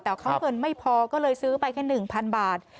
แต่เขาเงินไม่พอก็เลยซื้อไปแค่๑๐๐๐บาท